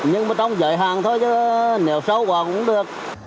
nhưng mà trong dạy hàng thôi chứ nếu sâu qua cũng được